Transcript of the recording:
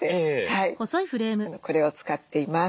はいこれを使っています。